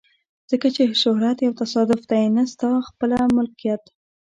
ځکه چې شهرت یو تصادف دی نه ستا خپله ملکیت.